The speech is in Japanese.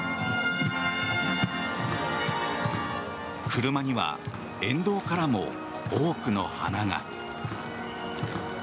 車には沿道からも多くの花が。